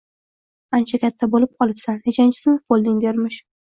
- Ancha katta bo'lib qolibsan, nechanchi sinf bo'lding? dermish...